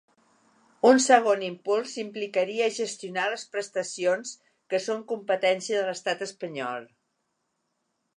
Un segon impuls implicaria gestionar les prestacions que són competència de l’estat espanyol.